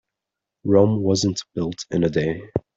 Rome wasn't built in a day.